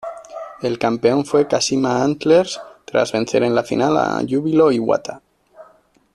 El campeón fue Kashima Antlers, tras vencer en la final a Júbilo Iwata.